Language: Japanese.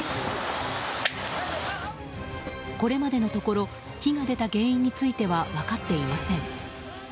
これまでのところ火が出た原因については分かっていません。